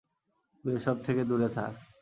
তুই এসব থেকে দূরে থাক!